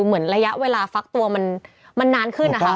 เหมือนระยะเวลาฟักตัวมันนานขึ้นนะคะ